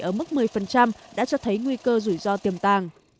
ở mức một mươi đã cho thấy nguy cơ rủi ro tiềm tàng